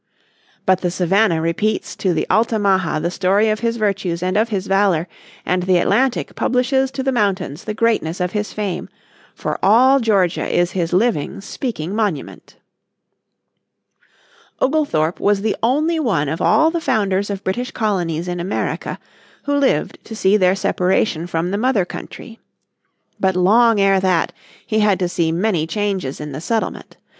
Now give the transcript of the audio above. "But the Savannah repeats to the Altamaha the story of his virtues and of his valor, and the Atlantic publishes to the mountains the greatness of his fame, for all Georgia is his living, speaking monument." Oglethorpe was the only one of all the founders of British colonies in America who lived to see their separation from the mother country. But long ere that he had to see many changes in the settlement.